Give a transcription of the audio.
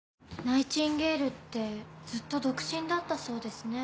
ナイチンゲールってずっと独身だったそうですね。